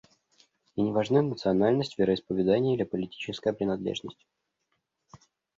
И не важны национальность, вероисповедание или политическая принадлежность.